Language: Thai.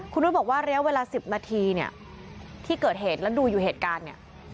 คุณนุษย์บอกว่าระยะเวลา๑๐นาทีเนี่ยที่เกิดเหตุแล้วดูอยู่เหตุการณ์เนี่ย